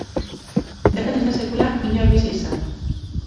Bertan ez da sekula inor bizi izan.